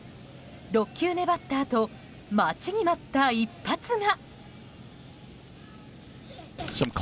６球粘ったあと待ちに待った一発が。